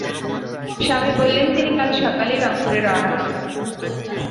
স্বামী বললেন, তিনি কাল সকালেই রংপুরে রওনা হবেন।